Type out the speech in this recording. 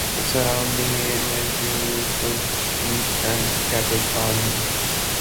The surrounding area is used for sheep and cattle farming.